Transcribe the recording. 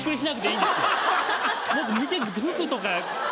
もっと見て服とか。